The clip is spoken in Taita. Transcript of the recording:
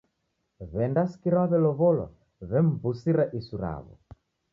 W'endasikira waw'elow'olwa w'emw'usira isu raw'o.